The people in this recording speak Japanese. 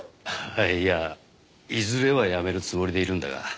いやいずれはやめるつもりでいるんだが。